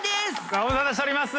ご無沙汰しております。